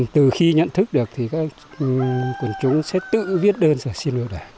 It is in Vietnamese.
từ khi nhận thức được thì các quần chúng sẽ tự viết đơn và xin lược lại